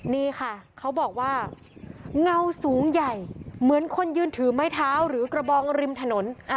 นี่ค่ะเขาบอกว่าเงาสูงใหญ่เหมือนคนยืนถือไม้เท้าหรือกระบองริมถนน